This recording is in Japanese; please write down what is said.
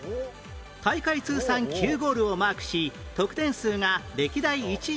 大会通算９ゴールをマークし得点数が歴代１位